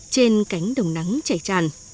trên cánh đồng nắng chảy chàn